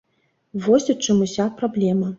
Вось у чым уся праблема.